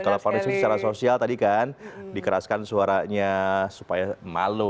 kalau forensik secara sosial tadi kan dikeraskan suaranya supaya malu